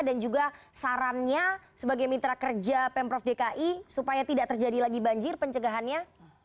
dan juga sarannya sebagai mitra kerja pemprov dki supaya tidak terjadi lagi banjir pencegahannya